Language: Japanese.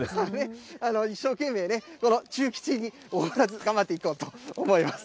一生懸命ね、この中吉におごらず、頑張っていこうと思います。